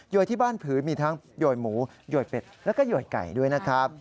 โดยที่บ้านผืนมีทั้งโยยหมูโยยเป็ดแล้วก็โยยไก่ด้วยนะครับ